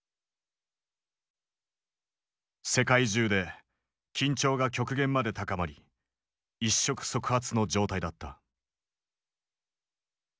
世界中で緊張が極限まで高まり一触即発の状態だった。